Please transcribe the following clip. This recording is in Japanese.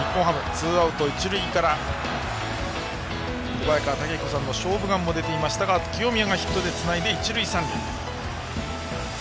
ツーアウト、一塁から小早川毅彦さんの「勝負眼」も出ていましたが清宮がヒットでつないで一塁三塁。